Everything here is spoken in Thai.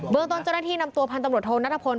เมืองต้นเจ้าหน้าที่นำตัวพันธุ์ตำรวจโทนัทพล